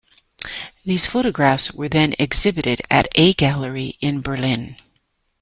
These photographs were then exhibited at a gallery in Berlin.